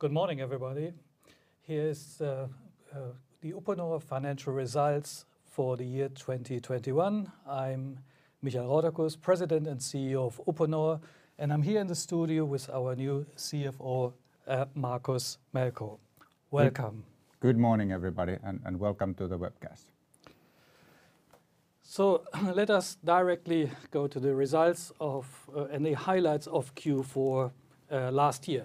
Good morning, everybody. Here is the Uponor financial results for the year 2021. I'm Michael Rauterkus, President and CEO of Uponor, and I'm here in the studio with our new CFO, Markus Melkko. Welcome. Good morning, everybody, and welcome to the webcast. Let us directly go to the results of and the highlights of Q4 last year.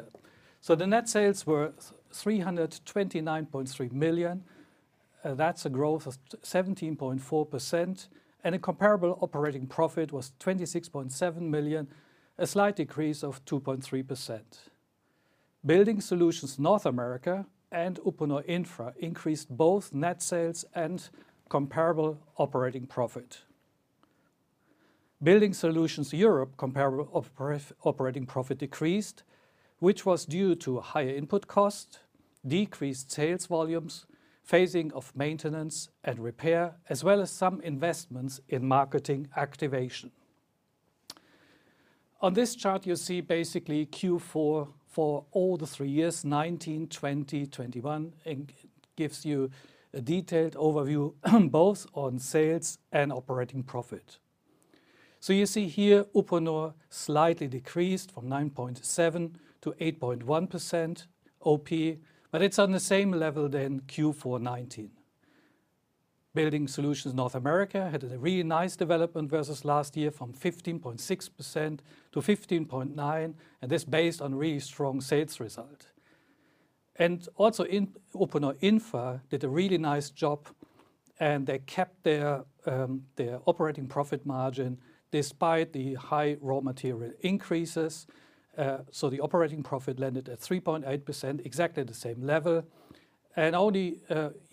The net sales were 329.3 million. That's a growth of 17.4%, and a comparable operating profit was 26.7 million, a slight decrease of 2.3%. Building Solutions North America and Uponor Infra increased both net sales and comparable operating profit. Building Solutions Europe comparable operating profit decreased, which was due to higher input costs, decreased sales volumes, phasing of maintenance and repair, as well as some investments in marketing activation. On this chart, you see basically Q4 for all three years, 2019, 2020, 2021, and gives you a detailed overview both on sales and operating profit. You see here Uponor slightly decreased from 9.7% to 8.1% OP, but it's on the same level than Q4 2019. Building Solutions – North America had a really nice development versus last year from 15.6% to 15.9%, and this based on really strong sales result. Uponor Infra did a really nice job, and they kept their their operating profit margin despite the high raw material increases. The operating profit landed at 3.8%, exactly the same level. Only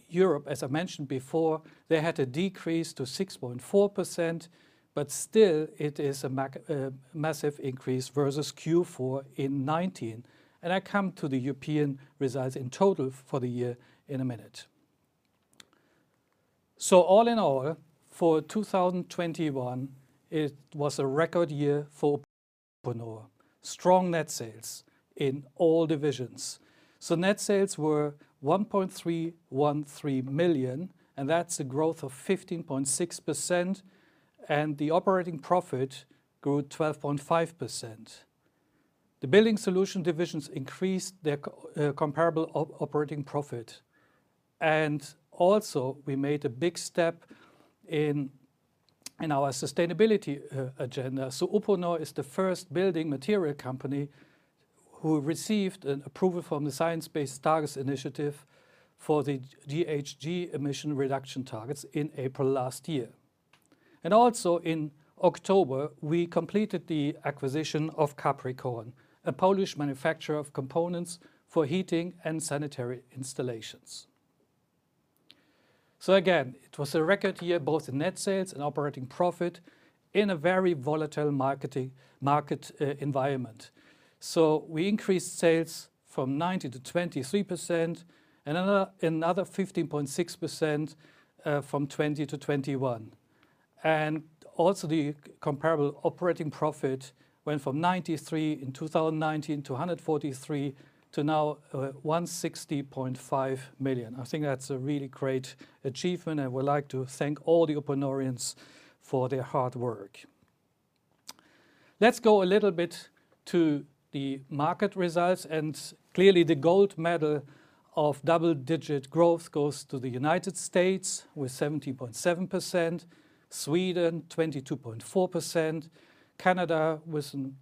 Europe, as I mentioned before, they had a decrease to 6.4%, but still it is a massive increase versus Q4 in 2019. I come to the European results in total for the year in a minute. All in all, for 2021, it was a record year for Uponor. Strong net sales in all divisions. Net sales were 1.313 million, and that's a growth of 15.6%, and the operating profit grew 12.5%. The Building Solutions divisions increased their comparable operating profit. We made a big step in our sustainability agenda. Uponor is the first building material company who received an approval from the Science Based Targets initiative for the GHG emission reduction targets in April last year. In October, we completed the acquisition of Capricorn, a Polish manufacturer of components for heating and sanitary installations. Again, it was a record year, both in net sales and operating profit, in a very volatile market environment. We increased sales from 90% to 123%, another 15.6%, from 2020 to 2021. The comparable operating profit went from 93 million in 2019 to 143 million to now 160.5 million. I think that's a really great achievement. I would like to thank all the Uponorians for their hard work. Let's go a little bit to the market results. Clearly the gold medal of double-digit growth goes to the United States with 17.7%, Sweden 22.4%, Canada with an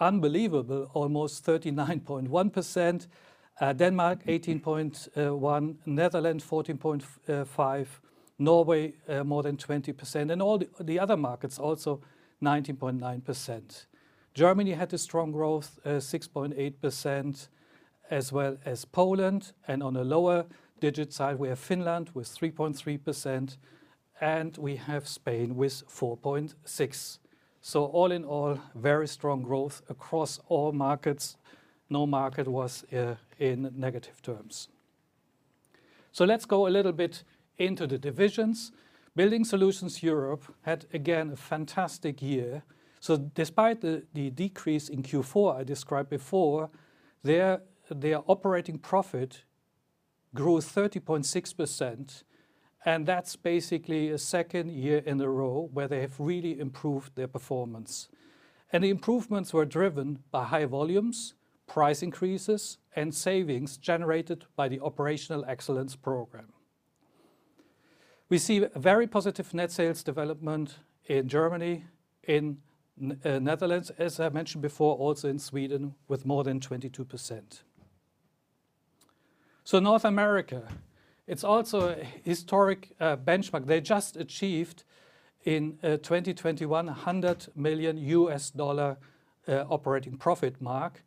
unbelievable almost 39.1%, Denmark 18.1%, Netherlands 14.5%, Norway more than 20%, and all the other markets also 19.9%. Germany had a strong growth 6.8%, as well as Poland. On a lower single-digit side, we have Finland with 3.3%, and we have Spain with 4.6%. All in all, very strong growth across all markets. No market was in negative terms. Let's go a little bit into the divisions. Building Solutions Europe had again a fantastic year. Despite the decrease in Q4 I described before, their operating profit grew 30.6%, and that's basically a second year in a row where they have really improved their performance. The improvements were driven by high volumes, price increases, and savings generated by the Operational Excellence program. We see very positive net sales development in Germany, in Netherlands, as I mentioned before, also in Sweden, with more than 22%. North America, it's also a historic benchmark. They just achieved in 2021 $100 million operating profit mark,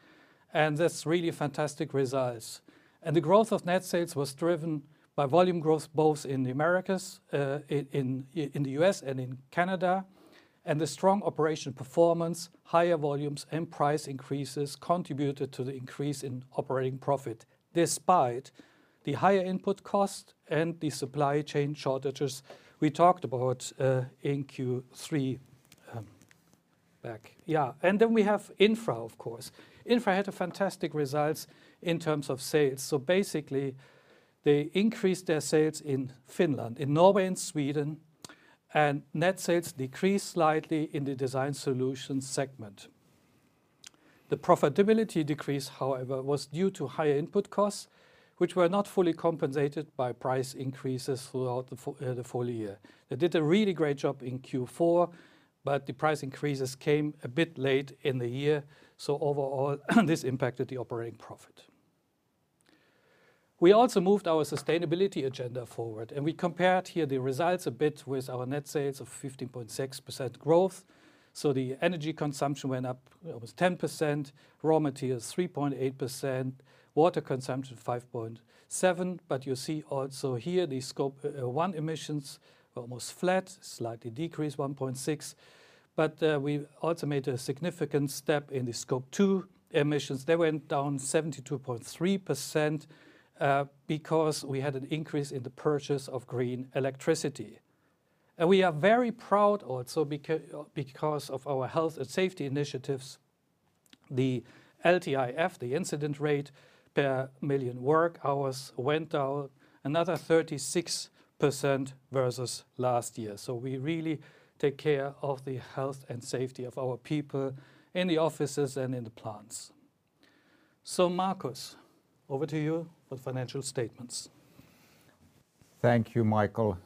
and that's really fantastic results. The growth of net sales was driven by volume growth, both in the Americas, in the U.S., and in Canada. The strong operational performance, higher volumes, and price increases contributed to the increase in operating profit despite the higher input cost and the supply chain shortages we talked about in Q3. Yeah. We have Infra, of course. Infra had a fantastic results in terms of sales. Basically, they increased their sales in Finland, in Norway, and Sweden, and net sales decreased slightly in the design solution segment. The profitability decrease, however, was due to higher input costs, which were not fully compensated by price increases throughout the full year. They did a really great job in Q4, but the price increases came a bit late in the year. Overall, this impacted the operating profit. We also moved our sustainability agenda forward, and we compared here the results a bit with our net sales of 15.6% growth. The energy consumption went up, was 10%, raw materials 3.8%, water consumption 5.7%. But you see also here the Scope 1 emissions were almost flat, slightly decreased 1.6%. But we also made a significant step in the Scope 2 emissions. They went down 72.3%, because we had an increase in the purchase of green electricity. And we are very proud also because of our health and safety initiatives. The LTIF, the incident rate per million work hours went down another 36% versus last year. We really take care of the health and safety of our people in the offices and in the plants. Markus, over to you with financial statements. Thank you, Michael.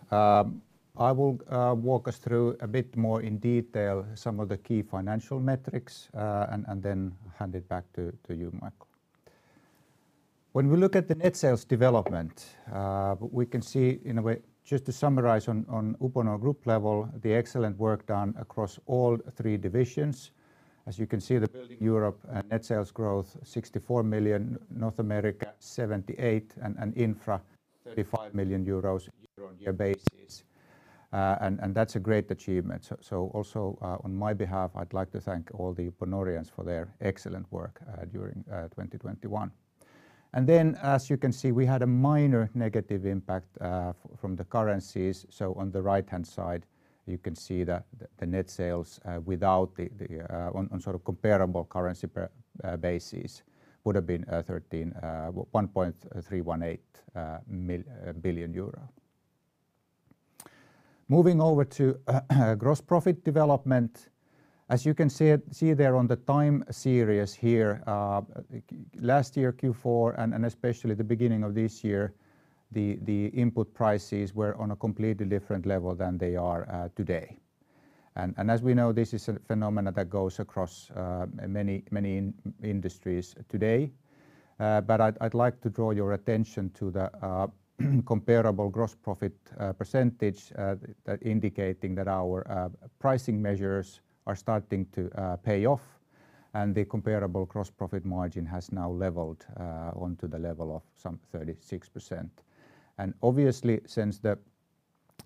I will walk us through a bit more in detail some of the key financial metrics, and then hand it back to you, Michael. When we look at the net sales development, we can see in a way, just to summarize on Uponor group level, the excellent work done across all three divisions. As you can see, the Building Europe net sales growth 64 million, North America 78, and Infra 35 million euros year-on-year basis. That's a great achievement. On my behalf, I'd like to thank all the Uponorians for their excellent work during 2021. We had a minor negative impact from the currencies. On the right-hand side, you can see the net sales on comparable currency basis would have been 1.318 billion euro. Moving over to gross profit development. As you can see there on the time series here, last year, Q4, and especially the beginning of this year, the input prices were on a completely different level than they are today. As we know, this is a phenomenon that goes across many industries today. But I'd like to draw your attention to the comparable gross profit percentage that indicates that our pricing measures are starting to pay off. The comparable gross profit margin has now leveled onto the level of some 36%. Obviously, since the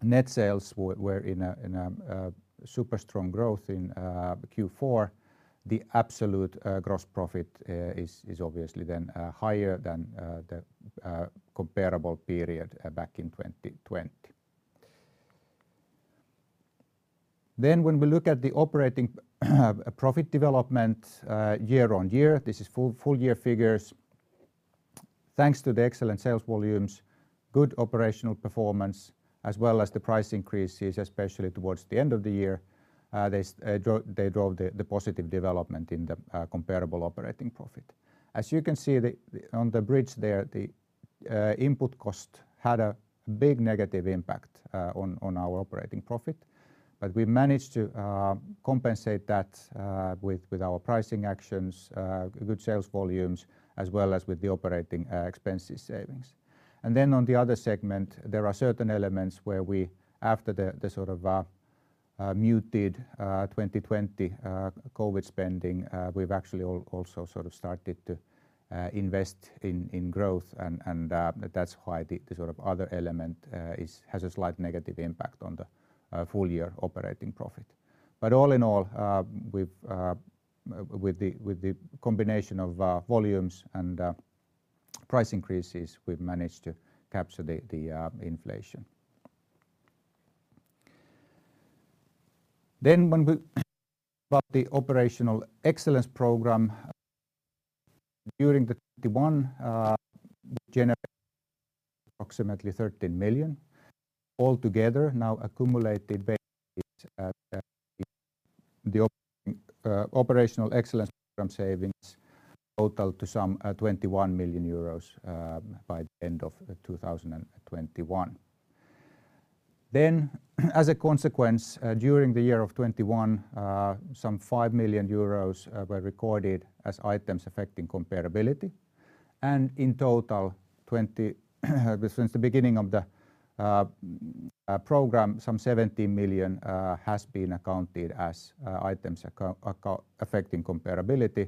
net sales were in a super strong growth in Q4, the absolute gross profit is obviously then higher than the comparable period back in 2020. When we look at the operating profit development year-on-year, this is full-year figures. Thanks to the excellent sales volumes, good operational performance, as well as the price increases, especially towards the end of the year, they drove the positive development in the comparable operating profit. As you can see on the bridge there, the input cost had a big negative impact on our operating profit. We managed to compensate that with our pricing actions, good sales volumes, as well as with the operating expenses savings. On the other segment, there are certain elements where after the sort of muted 2020 COVID spending, we've actually also sort of started to invest in growth. That's why the sort of other element has a slight negative impact on the full year operating profit. All in all, with the combination of volumes and price increases, we've managed to capture the inflation. When we talk about the Operational Excellence program during 2021, it generated approximately EUR 13 million. All together now accumulated the Operational Excellence program savings total to some 21 million euros by the end of 2021. As a consequence, during the year of 2021, some 5 million euros were recorded as items affecting comparability. In total, since the beginning of the program, some 17 million has been accounted as items affecting comparability.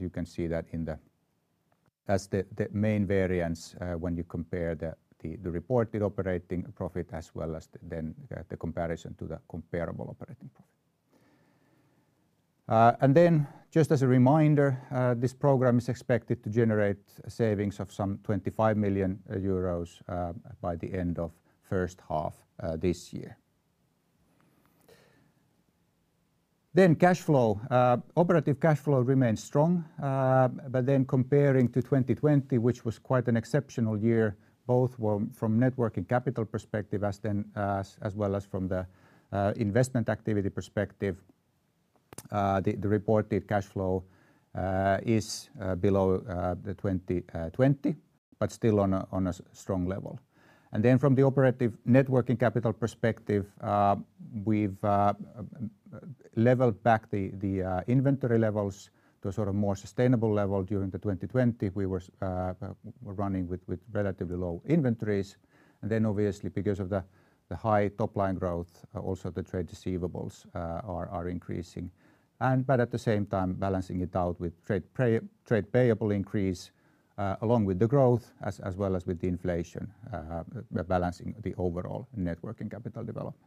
You can see that as the main variance when you compare the reported operating profit as well as then the comparison to the comparable operating profit. Just as a reminder, this program is expected to generate savings of some 25 million euros by the end of first half this year. Cash flow. Operative cash flow remains strong. Comparing to 2020, which was quite an exceptional year, both were from net working capital perspective as well as from the investment activity perspective. The reported cash flow is below 2020, but still on a strong level. From the operating net working capital perspective, we've leveled back the inventory levels to a sort of more sustainable level. During 2020, we were running with relatively low inventories. Obviously because of the high top line growth, the trade receivables are increasing. At the same time balancing it out with trade payables increase along with the growth as well as with the inflation, balancing the overall net working capital development.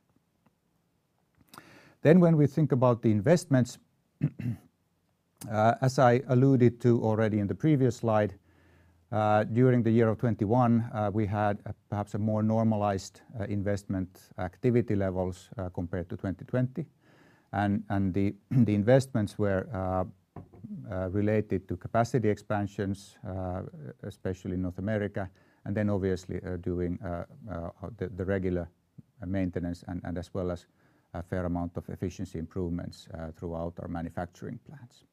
When we think about the investments, as I alluded to already in the previous slide, during the year of 2021, we had perhaps a more normalized investment activity levels, compared to 2020. The investments were related to capacity expansions, especially in North America, and then obviously doing the regular maintenance and as well as a fair amount of efficiency improvements throughout our manufacturing plants.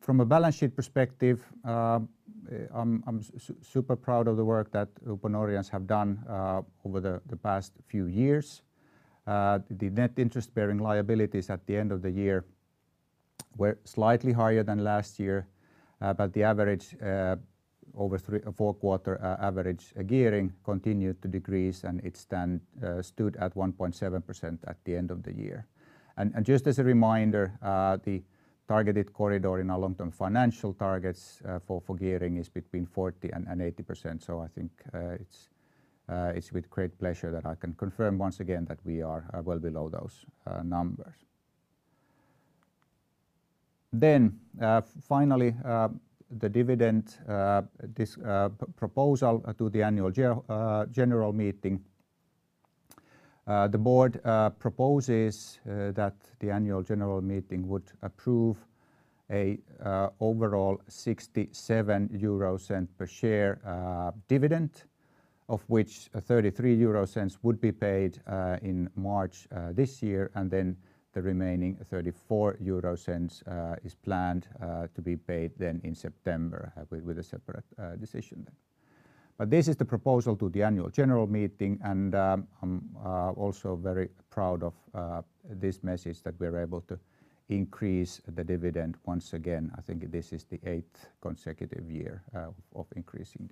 From a balance sheet perspective, I'm super proud of the work that Uponorians have done over the past few years. The net interest-bearing liabilities at the end of the year were slightly higher than last year, but the average over three or four quarters average gearing continued to decrease, and it stood at 1.7% at the end of the year. Just as a reminder, the targeted corridor in our long-term financial targets for gearing is between 40%-80%. I think it's with great pleasure that I can confirm once again that we are well below those numbers. Finally, the dividend proposal to the annual general meeting. The board proposes that the annual general meeting would approve an overall 0.67 per share dividend, of which 0.33 would be paid in March this year, and then the remaining 0.34 is planned to be paid then in September with a separate decision then. This is the proposal to the annual general meeting, and I'm also very proud of this message that we're able to increase the dividend once again. I think this is the eighth consecutive year of increasing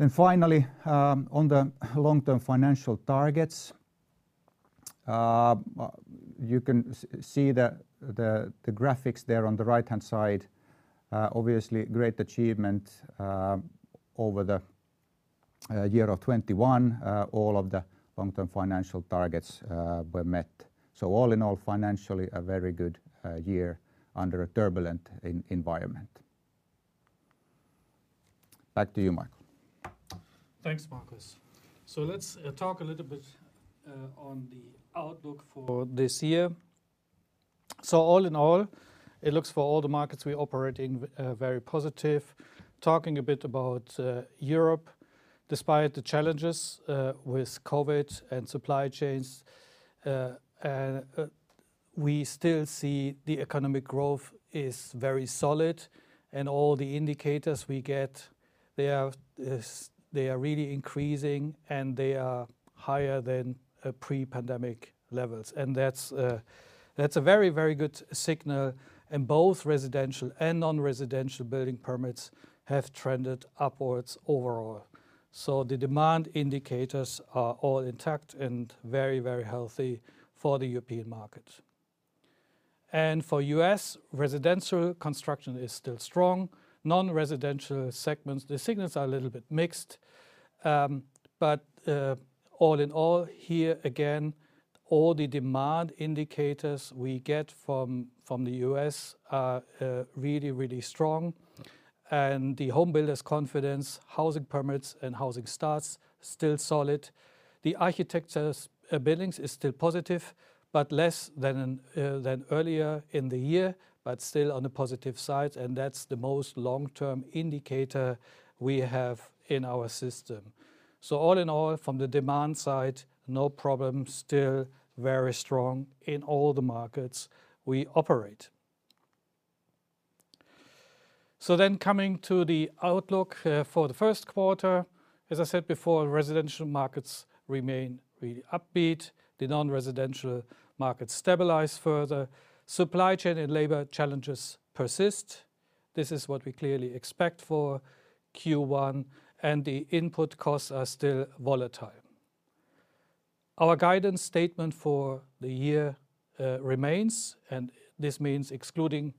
dividend. Finally, on the long-term financial targets, you can see the graphics there on the right-hand side. Obviously great achievement over the year of 2021. All of the long-term financial targets were met. All in all, financially a very good year under a turbulent environment. Back to you, Michael. Thanks, Markus. Let's talk a little bit on the outlook for this year. All in all, it looks very positive for all the markets we operate in. Talking a bit about Europe, despite the challenges with COVID and supply chains, we still see the economic growth is very solid and all the indicators we get they are really increasing, and they are higher than pre-pandemic levels. That's a very, very good signal. In both residential and non-residential, building permits have trended upwards overall. The demand indicators are all intact and very, very healthy for the European market. For U.S., residential construction is still strong. Non-residential segments, the signals are a little bit mixed. All in all, here again, all the demand indicators we get from the U.S. are really strong. The home builders' confidence, housing permits, and housing starts still solid. The architects' billings is still positive, but less than earlier in the year, but still on the positive side, and that's the most long-term indicator we have in our system. All in all, from the demand side, no problem, still very strong in all the markets we operate. Coming to the outlook for the first quarter, as I said before, residential markets remain really upbeat. The non-residential markets stabilize further. Supply chain and labor challenges persist. This is what we clearly expect for Q1, and the input costs are still volatile. Our guidance statement for the year remains, and this means excluding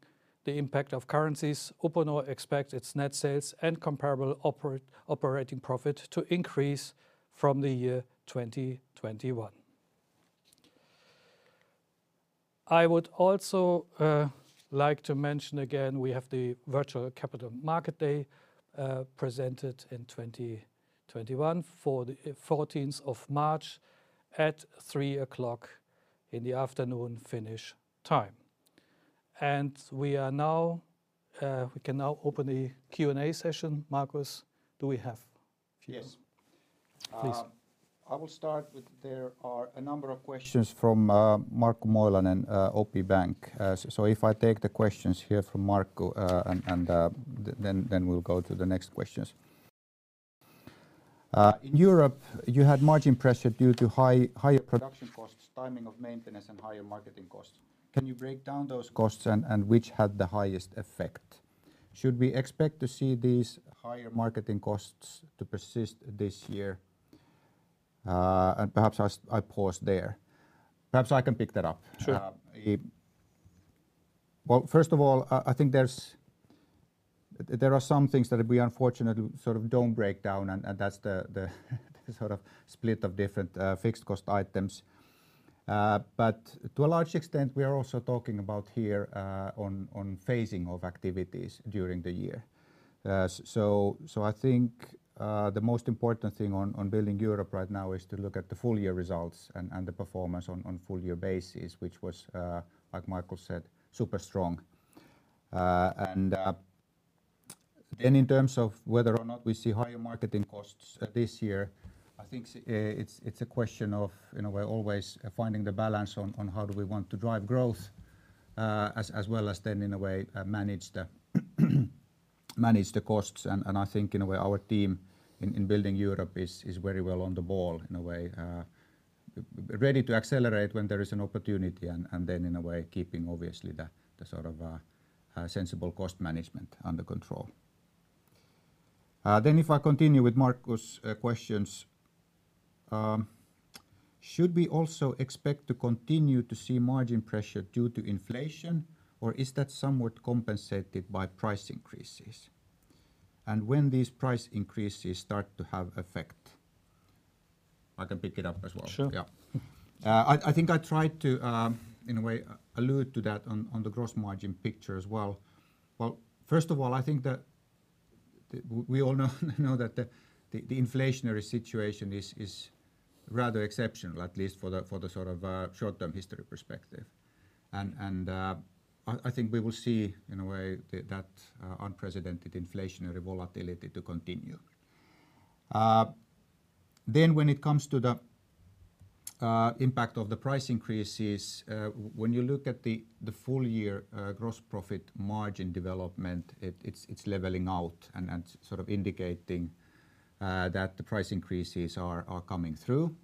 the impact of currencies. Uponor expects its net sales and comparable operating profit to increase from the year 2021. I would also like to mention again, we have the Virtual Capital Markets Day presented in 2021 for the 14th of March at 3:00 P.M. Finnish time. We can now open the Q&A session. Markus, do we have a few? Yes. Please. I will start with there are a number of questions from Markku Moilanen, OP Financial Group. So if I take the questions here from Markku, and then we'll go to the next questions. In Europe, you had margin pressure due to higher production costs, timing of maintenance, and higher marketing costs. Can you break down those costs and which had the highest effect? Should we expect to see these higher marketing costs to persist this year? And perhaps I pause there. Perhaps I can pick that up. Sure. Well, first of all, I think there are some things that we unfortunately sort of don't break down, and that's the sort of split of different fixed cost items. But to a large extent, we are also talking about here on phasing of activities during the year. I think the most important thing on building Europe right now is to look at the full year results and the performance on full year basis, which was, like Michael said, super strong. In terms of whether or not we see higher marketing costs this year, I think it's a question of, in a way, always finding the balance on how do we want to drive growth, as well as then, in a way, manage the costs. I think, in a way, our team in building Europe is very well on the ball, in a way. Ready to accelerate when there is an opportunity and then in a way keeping obviously the sort of sensible cost management under control. If I continue with Markku's questions. Should we also expect to continue to see margin pressure due to inflation or is that somewhat compensated by price increases? When these price increases start to have effect? I can pick it up as well. Sure. Yeah. I think I tried to, in a way, allude to that on the gross margin picture as well. Well, first of all, I think that we all know that the inflationary situation is rather exceptional, at least for the sort of short-term history perspective. I think we will see, in a way, that unprecedented inflationary volatility to continue. When it comes to the impact of the price increases, when you look at the full year gross profit margin development, it's leveling out and sort of indicating that the price increases are coming through.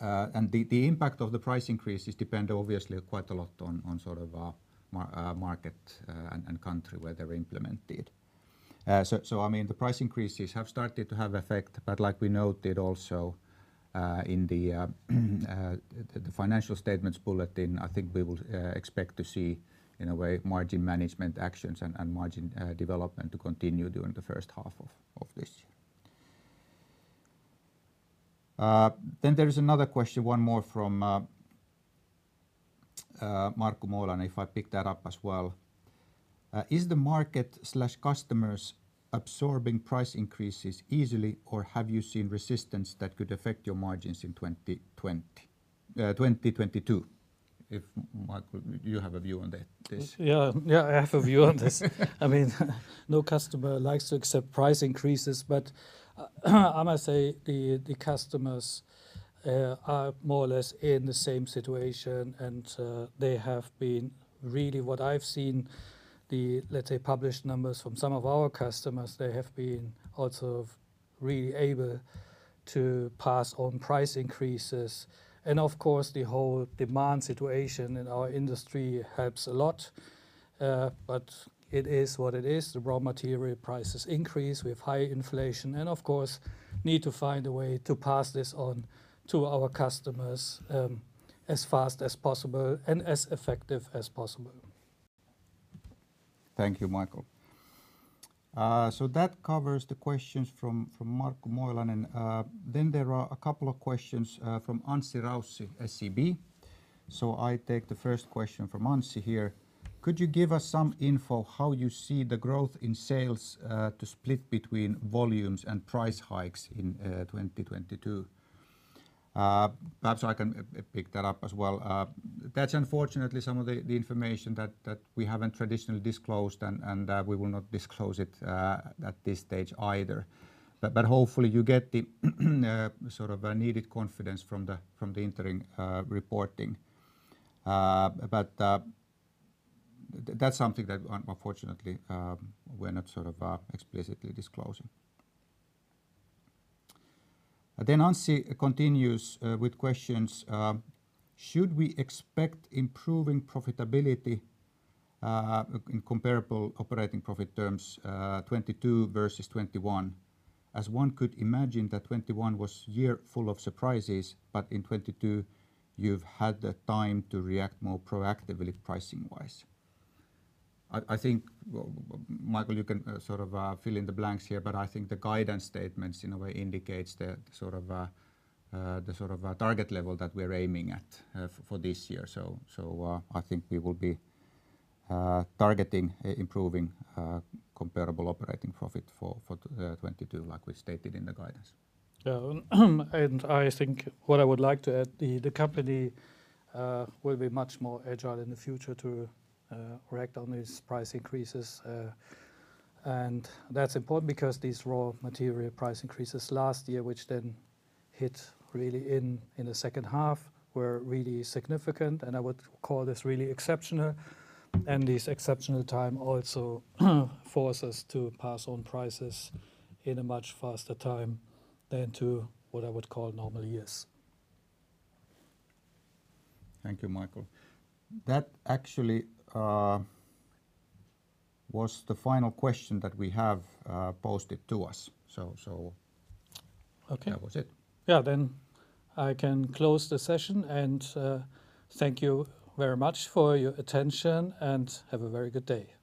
The impact of the price increases depend obviously quite a lot on sort of market and country where they're implemented. I mean, the price increases have started to have effect, but like we noted also in the financial statements bulletin, I think we will expect to see, in a way, margin management actions and margin development to continue during the first half of this year. There is another question, one more from Markku Moilanen, if I pick that up as well. Is the market, customers absorbing price increases easily or have you seen resistance that could affect your margins in 2022? If Michael, you have a view on that, please. Yeah. Yeah, I have a view on this. I mean, no customer likes to accept price increases, but I must say the customers are more or less in the same situation and they have been really what I've seen the, let's say, published numbers from some of our customers, they have been also really able to pass on price increases. Of course, the whole demand situation in our industry helps a lot, but it is what it is. The raw material prices increase, we have high inflation, and of course need to find a way to pass this on to our customers, as fast as possible and as effective as possible. Thank you, Michael. That covers the questions from Markku Moilanen. There are a couple of questions from Anssi Raussi, SEB. I take the first question from Anssi here. Could you give us some info how you see the growth in sales to split between volumes and price hikes in 2022? Perhaps I can pick that up as well. That's unfortunately some of the information that we haven't traditionally disclosed and we will not disclose it at this stage either. Hopefully you get the sort of needed confidence from the interim reporting. That's something that unfortunately we're not sort of explicitly disclosing. Should we expect improving profitability in comparable operating profit terms, 2022 versus 2021? As one could imagine that 2021 was a year full of surprises, but in 2022 you've had the time to react more proactively pricing-wise. I think, Michael, you can sort of fill in the blanks here, but I think the guidance statements in a way indicates the sort of target level that we're aiming at for this year. I think we will be targeting improving comparable operating profit for 2022 like we stated in the guidance. Yeah. I think what I would like to add, the company will be much more agile in the future to react on these price increases. That's important because these raw material price increases last year, which then hit really in the second half, were really significant, and I would call this really exceptional. This exceptional time also forces us to pass on prices in a much faster time than to what I would call normal years. Thank you, Michael. That actually was the final question that we have posed to us. Okay That was it. Yeah. I can close the session and thank you very much for your attention and have a very good day.